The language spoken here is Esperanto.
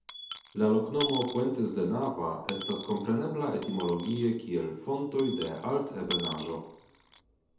La loknomo "Fuentes de Nava" estas komprenebla etimologie kiel Fontoj de Altebenaĵo.